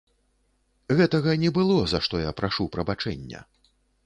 Гэтага не было, за што я прашу прабачэння.